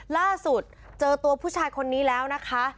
ล่าสุดเจอตัวผู้ชายคนนี้แล้วนะคะ